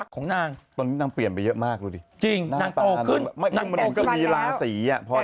ของนางตอนนี้นางเปลี่ยนไปเยอะมากดูดิจริงนางโตขึ้นมันก็มีราศรีอ่ะ